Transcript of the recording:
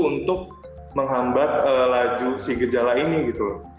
untuk menghambat laju si gejala ini gitu